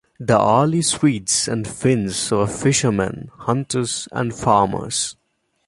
The early Swedes and Finns were fishermen, hunters and farmers.